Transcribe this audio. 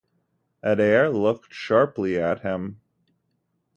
Adair looked sharply at him.